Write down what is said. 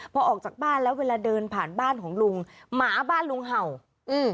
พอออกจากบ้านแล้วเวลาเดินผ่านบ้านของลุงหมาบ้านลุงเห่าอืม